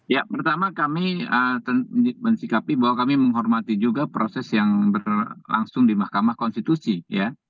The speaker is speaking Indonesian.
ya pertama kami mensikapi bahwa kami menghormati juga proses yang berlangsung di mahkamah konstitusi ya